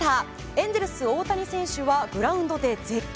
エンゼルスの大谷選手はグラウンドで絶叫。